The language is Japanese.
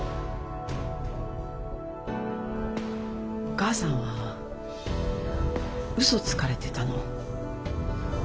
お母さんは嘘つかれてたの。